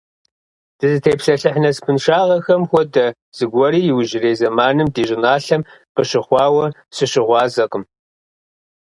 Дызытепсэлъыхь насыпыншагъэхэм хуэдэ зыгуэри иужьрей зэманым ди щӀыналъэм къыщыхъуауэ сыщыгъуазэкъым.